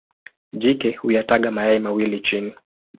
Jike huyataga mayai mawili chini.